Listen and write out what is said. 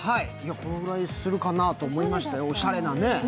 これぐらいするかなと思いましたよ、おしゃれなね。